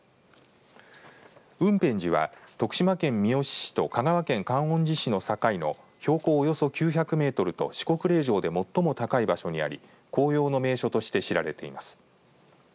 雲辺寺は、徳島県三好市と香川県観音寺市の境の標高およそ９００メートルと四国霊場で最も高い場所にあり紅葉の名所として知られています。